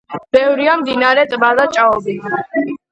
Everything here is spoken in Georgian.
ბევრია მდინარე, ტბა და ჭაობი.